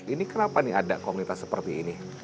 ini kenapa nih ada komunitas seperti ini